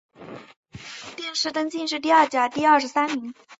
殿试登进士第二甲第二十三名。